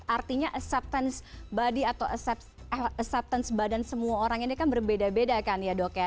artinya acceptance body atau acceptance badan semua orang ini kan berbeda beda kan ya dok ya